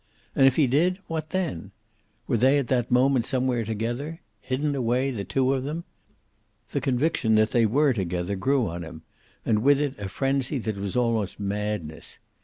And if he did, what then? Were they at that moment somewhere together? Hidden away, the two of them? The conviction that they were together grew on him, and with it a frenzy that was almost madness.